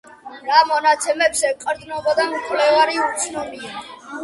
რა მონაცემებს ეყრდნობოდა მკვლევარი უცნობია.